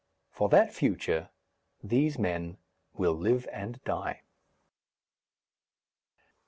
For that future these men will live and die.